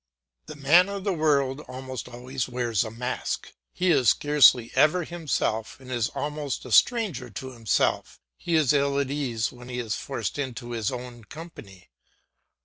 The man of the world almost always wears a mask. He is scarcely ever himself and is almost a stranger to himself; he is ill at ease when he is forced into his own company.